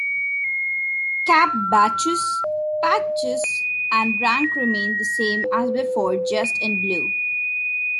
Cap badges, patches and rank remained the same as before, just in blue.